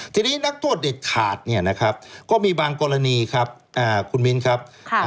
ทีนี้นักโทษเด็ดขาดเนี่ยนะครับก็มีบางกรณีครับคุณมิ้นครับ